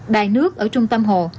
đài nước ở trung tâm hồ